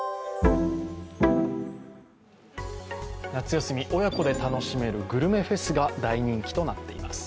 夏休み、親子で楽しめるグルメフェスが大人気となっています。